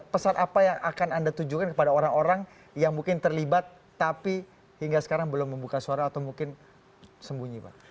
pesan apa yang akan anda tujukan kepada orang orang yang mungkin terlibat tapi hingga sekarang belum membuka suara atau mungkin sembunyi pak